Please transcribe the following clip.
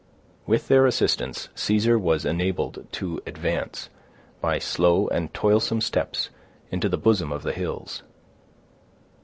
With their assistance, Caesar was enabled to advance, by slow and toilsome steps, into the bosom of the hills.